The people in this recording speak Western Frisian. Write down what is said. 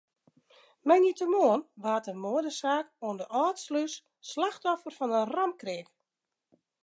Moandeitemoarn waard in moadesaak oan de Alde Slûs slachtoffer fan in raamkreak.